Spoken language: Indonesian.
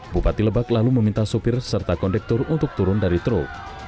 bupati lebak lalu meminta sopir serta kondektur untuk turun dari truk